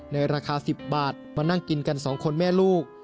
ในราคา๑๐บาทมานั่งกินกัน๒คนแม่ลูก